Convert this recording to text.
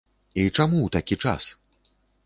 І чаму ў такі час?